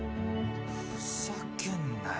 ふざけんなよ。